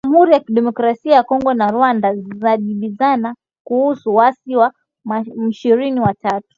Jamuhuri ya kidemokrasia ya Kongo na Rwanda zajibizana kuhusu waasi wa M ishirni na tatu